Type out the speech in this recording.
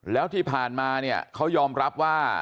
แล้วที่ผ่านมาเนี่ยเขายอมรับว่า